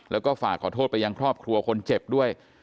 แล้วก็ฝากขอโทษไปยังครอบครัวคนเจ็บด้วย